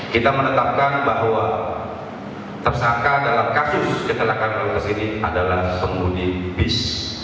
kita menetapkan bahwa tersangka dalam kasus kecelakaan yang terjadi adalah sembuni bis